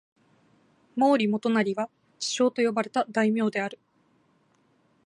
毛利元就は智将と呼ばれた大名である。